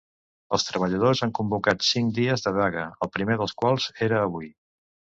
Els treballadors han convocat cinc dies de vaga, el primer dels quals era avui.